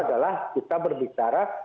adalah kita berbicara